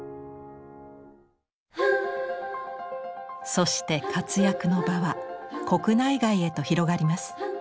そして活躍の場は国内外へと広がります。